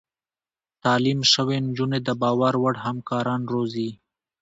تعليم شوې نجونې د باور وړ همکاران روزي.